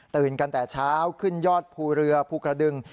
กันแต่เช้าขึ้นยอดภูเรือภูกระดึง